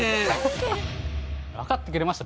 わかってくれました？